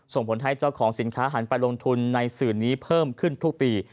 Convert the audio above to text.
ส่งผลให้เจ้าของสินค้าหันไปลงทุนในสื่อนี้เพิ่มขึ้นทุกปี